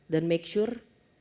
dan make sure